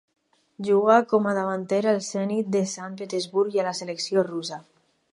Juga com a davanter al Zenit de Sant Petersburg i a la selecció russa.